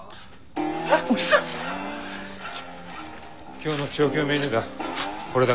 今日の調教メニューだ。